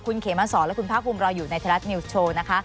คุณเขมสรและคุณพระคุมรออยู่ในเทศนิวส์โชว์นะคะ